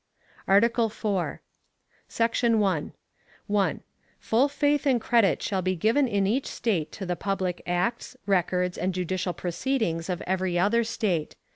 ARTICLE IV. Section 1. 1. Full faith and credit shall be given in each State to the public acts, records, and judicial proceedings of every other State.